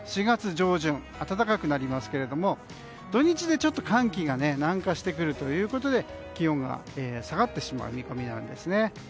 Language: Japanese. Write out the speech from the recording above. ４月上旬、暖かくなりますが土日でちょっと寒気が南下してくるということで気温が下がってしまう見込みなんですね。